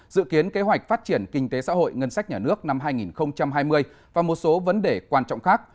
dự kiến kế hoạch phát triển kinh tế xã hội ngân sách nhà nước năm hai nghìn hai mươi và một số vấn đề quan trọng khác